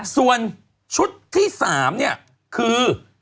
ส่วนชุดที่๓เนี่ยคือ